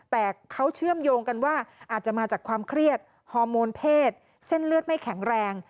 แต่เขาเชื่อมโยงกันว่าอาจจะมาจากความเครียดฮอร์โมนเพศเส้นเลือดไม่แข็งแรง